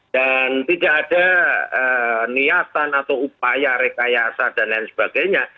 dan tidak ada niatan atau upaya rekayasa dan lain sebagainya